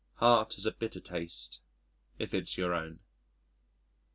Heart has a bitter taste if it's your own.